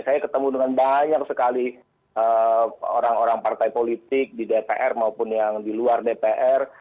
saya ketemu dengan banyak sekali orang orang partai politik di dpr maupun yang di luar dpr